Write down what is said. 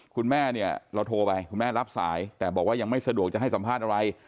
คุณแม่เนี่ยเราโทรไปคุณแม่รับสายแต่บอกว่ายังไม่สะดวกจะให้สัมภาษณ์อะไร